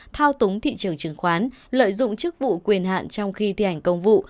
thao túng thị trường chứng khoán lợi dụng chức vụ quyền hạn trong khi thi hành công vụ